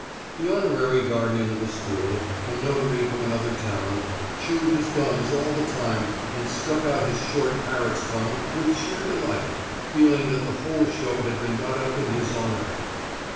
The honorary guardian of the school, a notary from another town, chewed his gums all the time and stuck out his short parrot's tongue with sheer delight, feeling that the whole show had been got up in his honour.